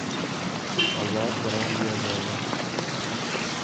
آزاد کرا لیا جائے گا